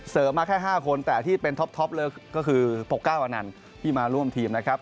เสิร์ฟมาแค่๕คนแต่ที่เป็นท็อปเลยก็คือ๖๙อันนั้นที่มาร่วมทีมนะครับ